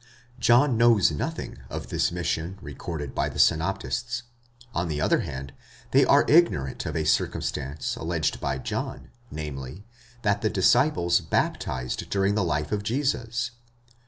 John knows nothing of this mission, recorded by the synoptists. On the other hand, they are ignorant of a circumstance alleged by John, namely, that the disciples baptized during the life of Jesus (iv.